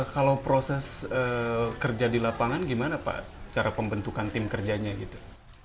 kalau proses kerja di lapangan gimana pak cara pembentukan tim kerjanya gitu